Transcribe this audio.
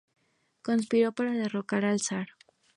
Conspiró para derrocar al zar.